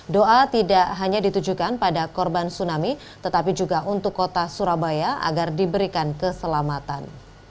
doa tidak hanya ditujukan pada korban tsunami tetapi juga untuk kota surabaya agar diberikan keselamatan